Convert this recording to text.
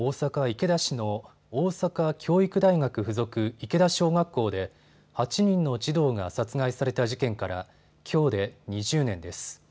池田市の大阪教育大学附属池田小学校で８人の児童が殺害された事件からきょうで２０年です。